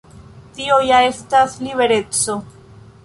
Tio ja estas libereco.